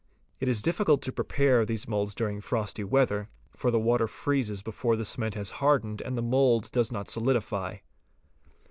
It is difficult to prepare these moulds during frosty weather, for the water freezes before the' cement has hardened and the mould does not solidify.